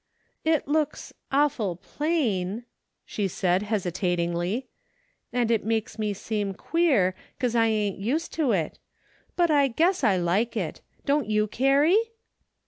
'' It looks awful plain," she saidj hesitatingly, " and it makes me seem queer, 'cause I ain't used to it, but I guess I like it. Don't you, Carrie